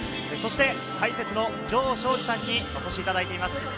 そして解説の城彰二さんにお越しいただいています。